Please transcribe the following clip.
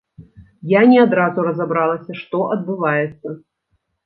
Я не адразу разабралася, што адбываецца.